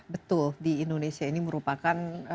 betul di indonesia ini merupakan